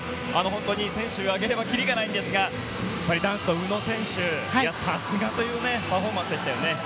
選手を挙げれば切りがないんですが男子の宇野選手、さすがというパフォーマンスでしたよね。